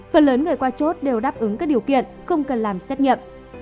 phần lớn người qua chốt đều đáp ứng các điều kiện không cần làm xét nghiệm